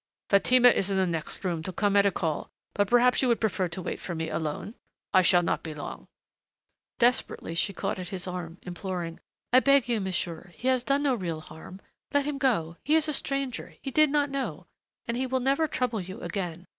"Fatima is in the next room to come at a call. But perhaps you would prefer to wait for me alone? I shall not be long." Desperately she caught at his arm, imploring, "I beg you, monsieur. He has done no real harm. Let him go. He is a stranger he did not know. And he will never trouble you again.